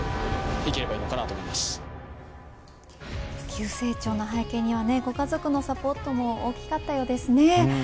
急成長の背景にはご家族のサポートも大きかったようですね。